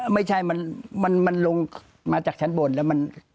ไม่ใช่มันลงมาจากชั้นบนแล้วมัน